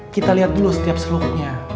kita liat dulu setiap seluknya